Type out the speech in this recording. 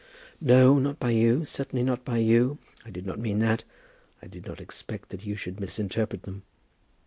"No, not by you, certainly not by you. I did not mean that. I did not expect that you should misinterpret them."